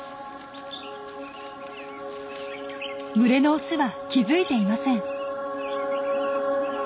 群れのオスは気付いていません。